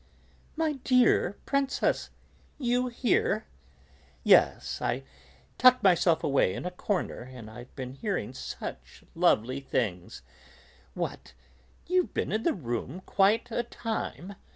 "My dear Princess, you here?" "Yes, I tucked myself away in a corner, and I've been hearing such lovely things." "What, you've been in the room quite a time?"